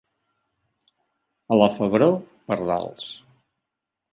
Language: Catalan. A la Febró, pardals.